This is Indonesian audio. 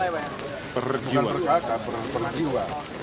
bukan per kakak per jiwa